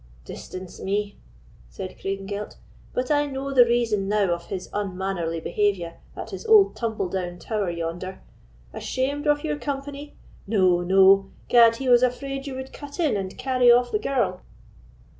"Distance me!" said Craigengelt, "but I know the reason now of his unmannerly behaviour at his old tumble down tower yonder. Ashamed of your company?—no, no! Gad, he was afraid you would cut in and carry off the girl."